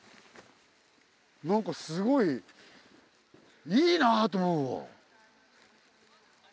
何かすごいいいなと思うわ。